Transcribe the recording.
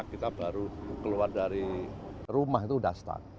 kita baru keluar dari rumah itu sudah stuck